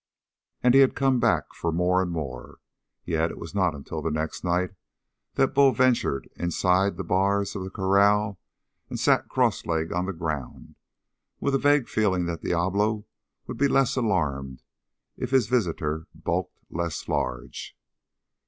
And he had come back for more, and more. Yet it was not until the next night that Bull ventured inside the bars of the corral and sat cross legged on the ground, with a vague feeling that Diablo would be less alarmed if his visitor bulked less large.